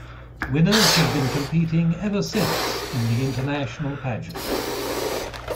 Winners have been competing ever since in the international pageant.